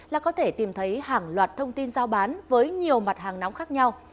là có thể tìm thấy hàng loạt thông tin giao bán với nhiều mặt hàng nóng khác nhau